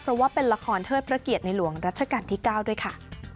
เพราะว่าเป็นละครเทิดพระเกียรติในหลวงรัชกาลที่๙ด้วยค่ะ